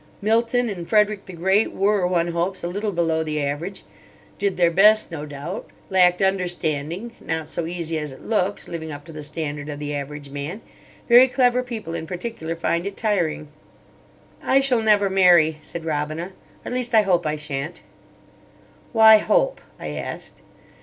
Milton and Frederick the Great were, one hopes, a little below the average. Did their best, no doubt; lacked understanding. Not so easy as it looks, living up to the standard of the average man. Very clever people, in particular, find it tiring." "I shall never marry," said Robina. "At least, I hope I sha'n't." "Why 'hope'?" I asked.